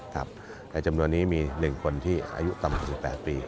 ในจำนวนนี้มี๑คนที่อายุต่ำกว่า๑๘ปี